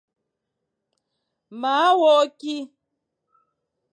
Maa wok ki.